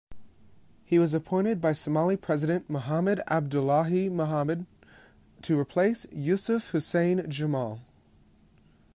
He was appointed by Somali President Mohamed Abdullahi Mohamed to replace Yusuf Hussein Jimaale.